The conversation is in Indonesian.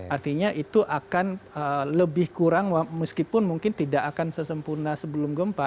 artinya itu akan lebih kurang meskipun mungkin tidak akan sesempurna sebelum gempa